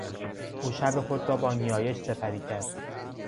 او شب خود را با نیایش سپری کرد.